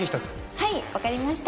はいわかりました。